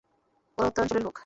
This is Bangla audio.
ওরা উত্তরাঞ্চলের লোক।